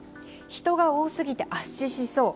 人が多すぎて圧死しそう。